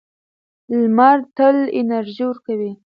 لمر تل انرژي ورکوي.